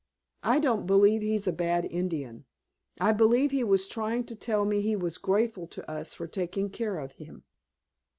I don't believe he's a bad Indian, I believe he was trying to tell me he was grateful to us for taking care of him."